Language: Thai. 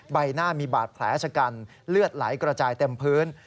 ใบหน้ามีบาดแผลชะกันเลือดไหลกระจายเต็มพื้น